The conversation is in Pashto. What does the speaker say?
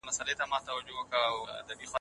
د فعال ذهن ساتل د روغ ژوند نښه ده.